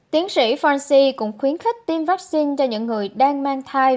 tiến sĩ fanci cũng khuyến khích tiêm vaccine cho những người đang mang thai